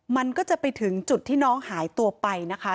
มันก็จะไปถึงจุดที่น้องหายตัวไปนะคะ